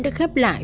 đã khép lại